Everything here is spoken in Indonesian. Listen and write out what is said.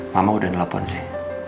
mama udah nelfon sih